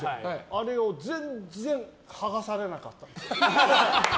あれを全然剥がされなかった。